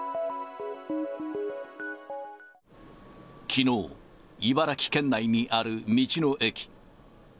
きのう、茨城県内にある道の駅。